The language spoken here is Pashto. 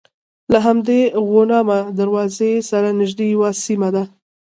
له همدې غوانمه دروازې سره نژدې یوه سیمه ده.